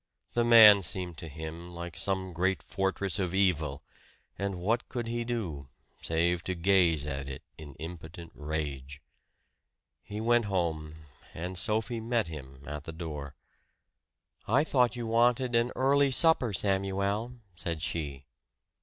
The man seemed to him like some great fortress of evil; and what could he do, save to gaze at it in impotent rage? He went home, and Sophie met him at the door. "I thought you wanted an early supper, Samuel," said she.